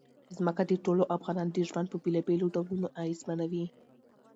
ځمکه د ټولو افغانانو ژوند په بېلابېلو ډولونو اغېزمنوي.